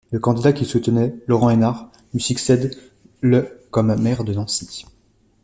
Le candidat qu'il soutenait, Laurent Hénart, lui succède le comme Maire de Nancy.